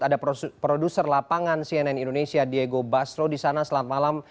ada produser lapangan cnn indonesia diego basro di sana selamat malam